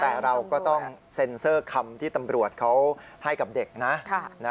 แต่เราก็ต้องเซ็นเซอร์คำที่ตำรวจเขาให้กับเด็กนะ